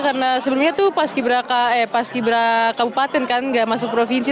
karena sebelumnya tuh paski beraka eh paski beraka bupaten kan gak masuk provinsi